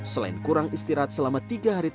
selain kurang istirahat selama tiga hari di tps